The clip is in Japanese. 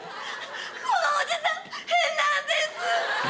このおじさん変なんです！